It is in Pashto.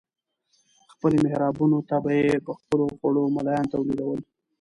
خپلو محرابونو ته به یې په خپلو خوړو ملایان تولیدول.